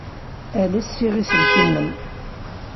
Ales ssiɣ aselkim-nnem.